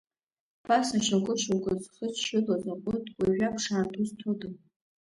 Ԥаса шьоукы-шьоукы зхыччылоз аҟәыд, уажәы аԥшаарҭа узҭода.